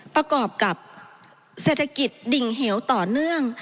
ประกอบกับเศรษฐกิจดิ่งเหวต่อเนื่อง